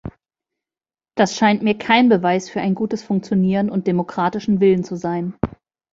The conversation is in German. Das scheint mir kein Beweis für ein gutes Funktionieren und demokratischen Willen zu sein.